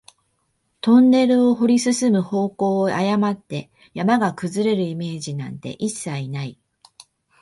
トンネルを掘り進む方向を誤って、山が崩れるイメージなんて一切ない